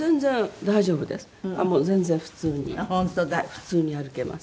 普通に歩けます。